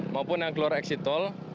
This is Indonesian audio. maupun yang keluar eksitol